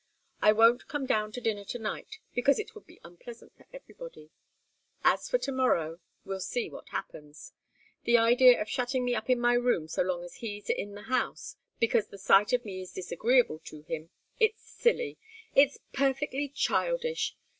I won't come down to dinner to night, because it would be unpleasant for everybody. As for to morrow we'll see what happens. The idea of shutting me up in my room so long as he's in the house, because the sight of me is disagreeable to him, it's silly it's perfectly childish!